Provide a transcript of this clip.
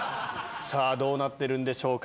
どうなってるんでしょうか？